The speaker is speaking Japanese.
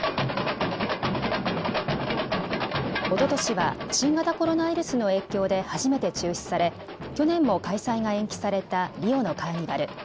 おととしは新型コロナウイルスの影響で初めて中止され去年も開催が延期されたリオのカーニバル。